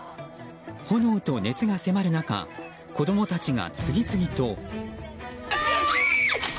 炎と熱が迫る子供たちが次々と。